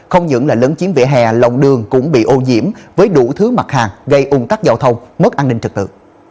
không những là lấn chiếm vỉa hè lòng đường cũng bị ô nhiễm với đủ thứ mặt hàng gây ung tắc giao thông mất an ninh trật tự